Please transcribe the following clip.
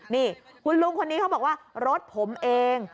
นี่คุณลุงคนนี้เขาบอกว่ารถผมเอง